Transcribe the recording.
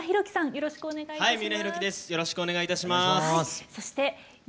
よろしくお願いします。